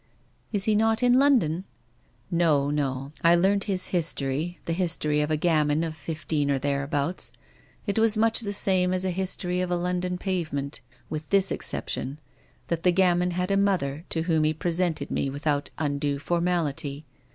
" Is he not in London ?" "No, no; I learnt his history, the history of a gamin of fifteen or thereabouts. It was much the same as a history of a London pavement, with this exception, that the gamin had a mother to whom he presented me without undue formality.